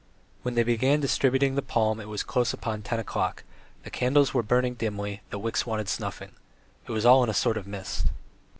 When they began distributing the palm it was close upon ten o'clock, the candles were burning dimly, the wicks wanted snuffing; it was all in a sort of mist.